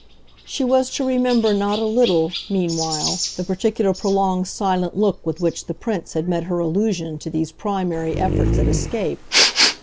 She was to remember not a little, meanwhile, the particular prolonged silent look with which the Prince had met her allusion to these primary efforts at escape.